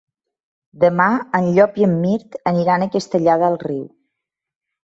Demà en Llop i en Mirt aniran a Castellar del Riu.